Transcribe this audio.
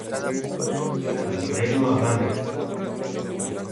Alfredo Adame.